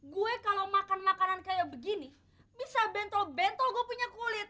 gue kalau makan makanan kayak begini misal bentol bentol gue punya kulit